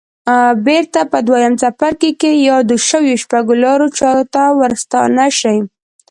بېرته په دويم څپرکي کې يادو شويو شپږو لارو چارو ته ورستانه شئ.